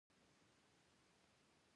د درملو واردات ډیر دي